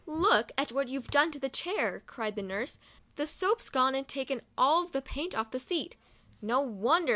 "Look what you've done to the chair!' cried the nurse. "The soap's gone and taken all the paint off the seat ('No wonder!